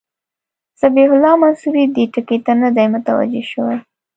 ذبیح الله منصوري دې ټکي ته نه دی متوجه شوی.